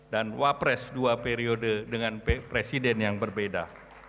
dan wapres dua periode dengan presiden yang berbeda